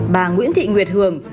bà nguyễn thị nguyệt hường